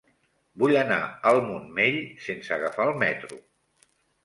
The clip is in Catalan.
Vull anar al Montmell sense agafar el metro.